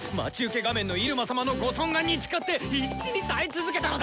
画面のイルマ様のご尊顔に誓って必死に耐え続けたのだ！